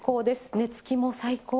寝つきも最高。